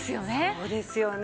そうですよね。